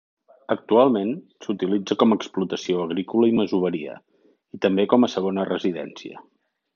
Actualment s'utilitza com a explotació agrícola i masoveria, i també com a segona residència.